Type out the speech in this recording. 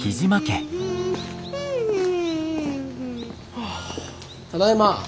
はあただいま。